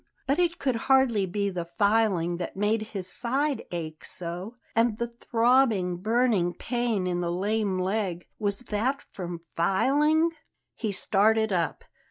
But it could hardly be the filing that made his side ache so; and the throbbing, burning pain in the lame leg was that from filing? He started up.